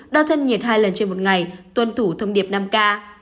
đo thân nhiệt hai lần trên một ngày tuân thủ thông điệp năm k